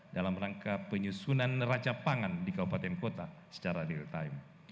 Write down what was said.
dalam rangka penyusunan neraca pangan di kabupaten kota secara real time